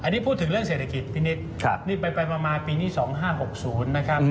นี่เป็นประมาณปีนี้๒๕๖๐นะครับ